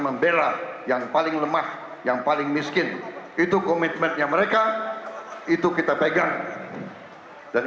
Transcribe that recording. membela yang paling lemah yang paling miskin itu komitmennya mereka itu kita pegang dan